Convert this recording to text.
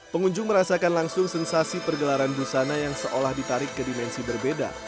pengunjung merasakan langsung sensasi pergelaran busana yang seolah ditarik ke dimensi berbeda